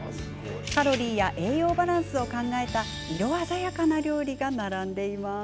カロリーや栄養バランスを考えた色鮮やかな料理が並んでいます。